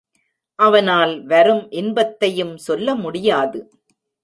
அவனால் வரும் இன்பத்தையும் சொல்ல முடியாது.